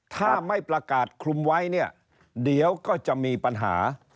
ถ้าไม่ประกาศคลุมไว้เนี่ยเดี๋ยวก็จะมีปัญหา